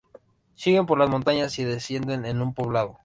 Siguen por las montañas y descienden en un poblado.